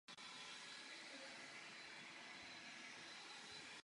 Album bylo rovněž neúspěšně nominováno na cenu Grammy.